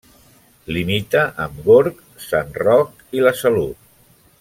Limita amb Gorg, Sant Roc i La Salut.